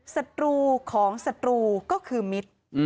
ศัตรูของศัตรูก็คือมิตร